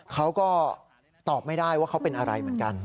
เขาก็ตอบไม่ได้ว่าเขาเป็นอะไรเหมือนกัน